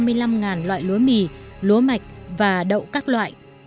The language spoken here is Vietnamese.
ikada cũng thường nghiên cứu các loại lúa mì lúa mạch và đậu các loại